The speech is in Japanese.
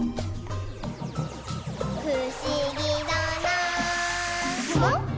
「ふしぎだなぁ」